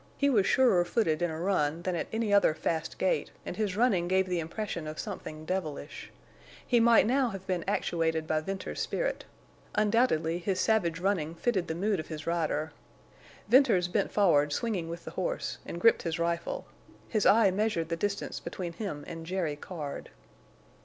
He was surer footed in a run than at any other fast gait, and his running gave the impression of something devilish. He might now have been actuated by Venters's spirit; undoubtedly his savage running fitted the mood of his rider. Venters bent forward swinging with the horse, and gripped his rifle. His eye measured the distance between him and Jerry Card.